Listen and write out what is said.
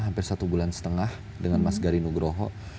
hampir satu bulan setengah dengan mas garinu groho